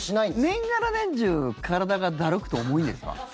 年がら年中体がだるくて重いんですか？